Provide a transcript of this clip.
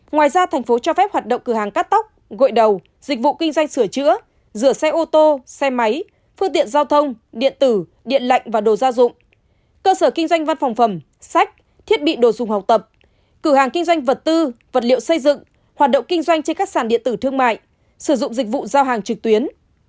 ngoài ra tp cho phép hoạt động cửa hàng cắt tóc gội đầu dịch vụ kinh doanh sửa chữa rửa xe ô tô xe máy phương tiện giao thông điện tử điện lạnh và đồ gia dụng cơ sở kinh doanh văn phòng phẩm sách thiết bị đồ dùng học tập cửa hàng kinh doanh vật tư vật liệu xây dựng hoạt động kinh doanh trên các sàn điện tử thương mại sử dụng dịch vụ giao hàng trực tuyến